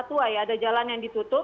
ya ya jalan yang ditutup